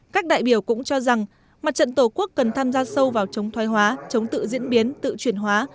các đại biểu cũng cho rằng mặt trận tổ quốc cần tham gia sâu vào chống thoái hóa chống tự diễn biến tự chuyển hóa